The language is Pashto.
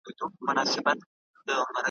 ستا په تور نصیب ختلې شپه یمه تېرېږمه `